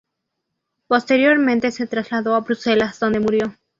Posteriormente se trasladó a Bruselas, donde murió.